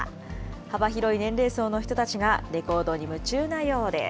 幅広い年齢層の人たちがレコードに夢中なようです。